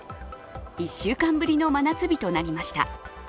１週間ぶりの真夏日となりました。